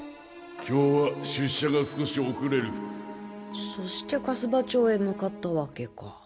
今日は出社が少し遅れるそして粕場町へ向かったわけか。